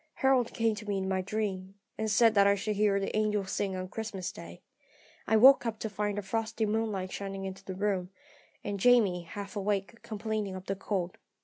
Harold came to me in my dream, and said that I should hear the angels sing on Christmas day. I woke up to find the frosty moonlight shining into the room, and Jamie, half awake, complaining of the cold.